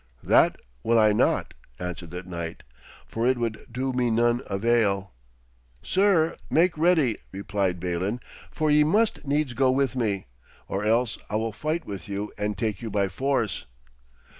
'That will I not,' answered the knight, 'for it would do me none avail.' 'Sir, make ready,' replied Balin, 'for ye must needs go with me, or else I will fight with you and take you by force.'